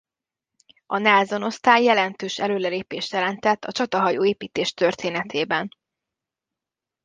A Nelson osztály jelentős előrelépést jelentett a csatahajó építés történetében.